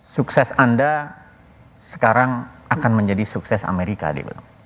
sukses anda sekarang akan menjadi sukses amerika dia bilang